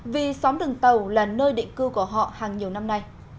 vì xóm đường tàu là nơi định cư của họ hàng nhiều năm nay